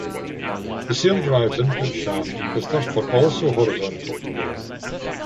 The saildrive's input shaft is therefore also horizontal.